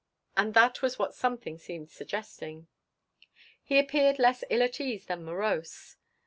And that was what something seemed suggesting. He appeared less ill at ease than morose.